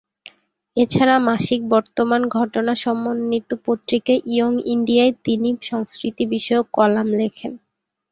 এছাড়া মাসিক বর্তমান ঘটনা সমন্বিত পত্রিকা ইয়ং ইন্ডিয়া'য় তিনি সংস্কৃতি বিষয়ক কলাম লেখেন।